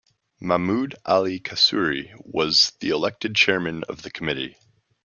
Mahmud Ali Kasuri was the elected chairman of the committee.